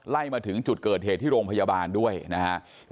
มาถึงจุดเกิดเหตุที่โรงพยาบาลด้วยนะครับ